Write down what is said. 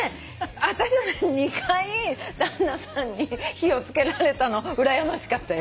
私はね２回旦那さんに火を付けられたのうらやましかったよ。